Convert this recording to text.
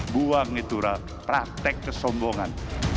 buang itura praktek kesombongan